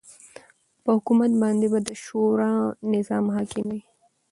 په حکومت کی به د شورا نظام حاکم وی